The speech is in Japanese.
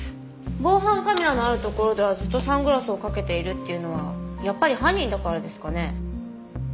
防犯カメラのあるところではずっとサングラスをかけているっていうのはやっぱり犯人だからですかね？